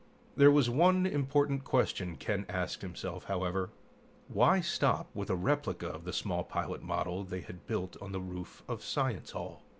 There was one important question Ken asked himself, however: Why stop with a replica of the small pilot model they had built on the roof of Science Hall?